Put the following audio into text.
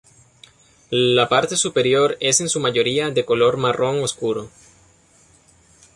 La parte superior es en su mayoría de color marrón oscuro.